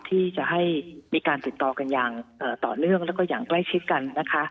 ที่จะให้มีการติดต่อกันอย่างต่อเนื่องแล้วก็อย่างใกล้ชิดกันนะคะ